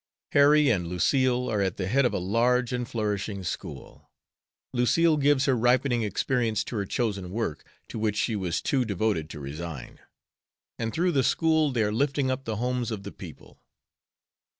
Harry and Lucille are at the head of a large and flourishing school. Lucille gives her ripening experience to her chosen work, to which she was too devoted to resign. And through the school they are lifting up the homes of the people.